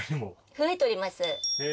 増えております。